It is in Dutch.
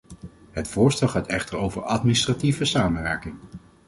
Het voorstel gaat echter over administratieve samenwerking.